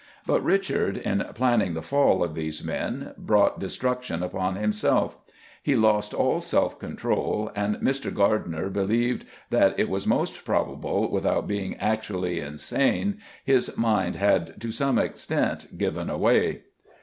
But Richard, in planning the fall of these men, brought destruction upon himself. He lost all self control, and Mr. Gardiner believes that "it is most probable, without being actually insane, his mind had to some extent given way."